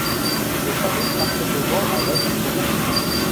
Il se marie parfaitement avec un saumon fumé.